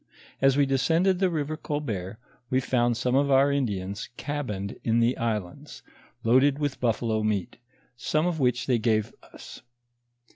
As we descended the river Colbert, we found some of our Indians cabined in the islands, loaded with buffalo meat, some of which they gave us.